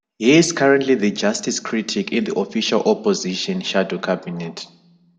He is currently the Justice Critic in the Official Opposition shadow cabinet.